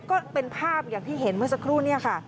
ก็เป็นภาพอย่างที่เห็นเมื่อสักครู่เนี่ยค่ะ